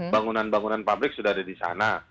bangunan bangunan pabrik sudah masuk